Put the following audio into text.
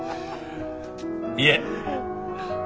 いえ。